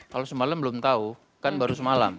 kalau semalam belum tahu kan baru semalam